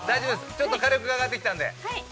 ◆ちょっと火力が上がってきたんで。